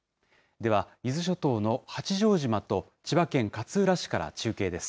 では伊豆諸島の八丈島と、千葉県勝浦市から中継です。